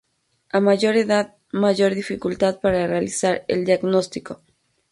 A mayor edad, mayor dificultad para realizar el diagnóstico.